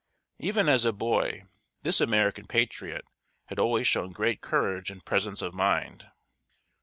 Even as a boy, this American patriot had always shown great courage and presence of mind.